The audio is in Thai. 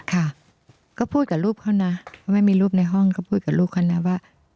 ค่ะก็พูดกับรูปเขานะว่าไม่มีรูปในห้องก็พูดกับลูกเขานะว่า